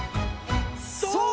そう！